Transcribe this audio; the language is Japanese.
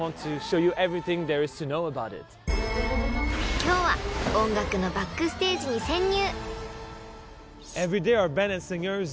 ［今日は音楽のバックステージに潜入］